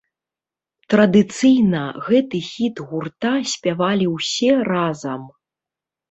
Традыцыйна, гэты хіт гурта спявалі ўсе разам.